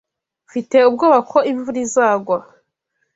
Mfite ubwoba ko imvura izagwa.